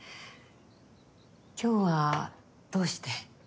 今日はどうして？